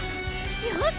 よし！